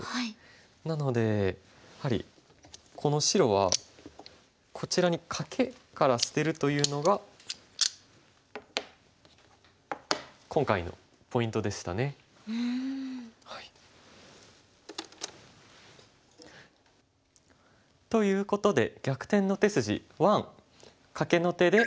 なのでやはりこの白はこちらにカケから捨てるというのが今回のポイントでしたね。ということで「逆転の手筋１」。